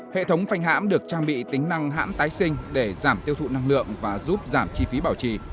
hệ thống phanh hãm được trang bị tính năng hãm tái sinh để giảm tiêu thụ năng lượng và giúp giảm chi phí bảo trì